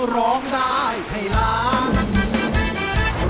ร้องได้ให้ล้าน